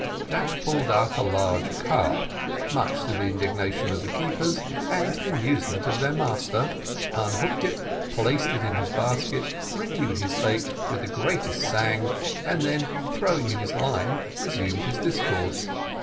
Jack pulled up a large carp, much to the indignation of the keepers and to the amusement of their master, unhooked it, placed it in his basket, renewed his bait with the greatest sang froid, and then throwing in his line, resumed his discourse.